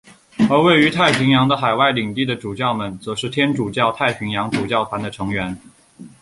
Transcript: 而位于太平洋的海外领地的主教们则是天主教太平洋主教团的成员。